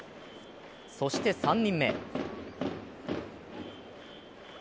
そして３人目。